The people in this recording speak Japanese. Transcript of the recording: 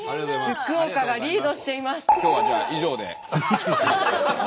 福岡がリードしています。